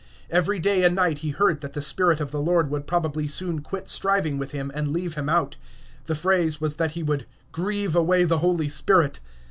Every day and night he heard that the spirit of the Lord would probably soon quit striving with him, and leave him out. The phrase was that he would "grieve away the Holy Spirit."